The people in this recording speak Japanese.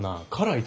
はい。